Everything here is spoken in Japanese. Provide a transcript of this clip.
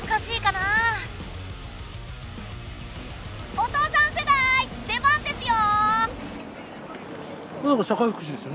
お父さん世代出番ですよ！